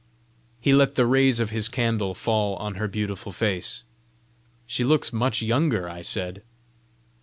He let the rays of his candle fall on her beautiful face. "She looks much younger!" I said.